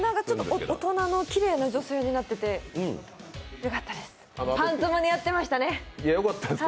大人のきれいな女性になってて、よかったです。